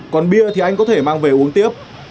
còn bia thì anh có thể mang về uống tiếp